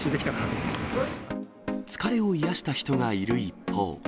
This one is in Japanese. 疲れを癒やした人がいる一方。